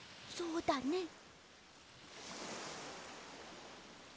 そうだね。